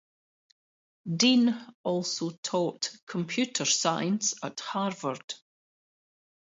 Dean also taught computer science at Harvard.